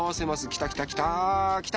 きたきたきたきた！